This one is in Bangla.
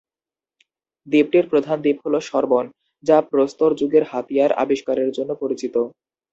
দ্বীপটির প্রধান দ্বীপ হল সর্বন, যা প্রস্তর যুগের হাতিয়ার আবিষ্কারের জন্য পরিচিত।